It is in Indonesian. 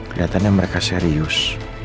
keliatannya mereka serius